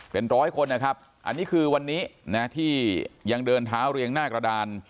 เป็นร้อยคนนะครับอันนี้คือวันนี้นะที่ยังเดินเท้าเรียงหน้ากระดาน